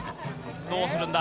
どうするんだ？